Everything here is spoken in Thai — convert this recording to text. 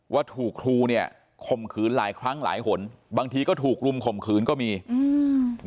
ว่าถูกครูเนี้ยข่มขืนหลายครั้งหลายหนบางทีก็ถูกรุมข่มขืนก็มีอืม